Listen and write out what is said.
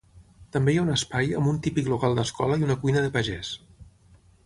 També hi ha un espai amb un típic local d'escola i una cuina de pagès.